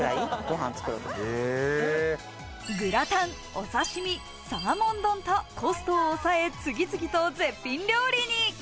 グラタン、お刺身、サーモン丼と、コストを抑え、次々と絶品料理に！